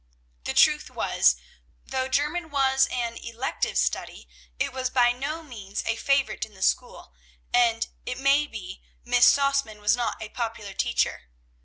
The truth was, though German was an elective study, it was by no means a favorite in the school, and, it may be, Miss Sausmann was not a popular teacher.